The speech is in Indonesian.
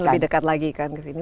dan lebih dekat lagi kan ke sini